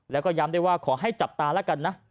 แล้วก็ย้ำได้ว่าขอให้จับตาแล้วกันนะ